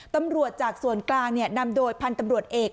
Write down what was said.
ตำรวจจากส่วนกลางนำโดยพันธุ์ตำรวจเอก